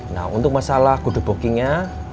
nah untuk masalah kode bookingnya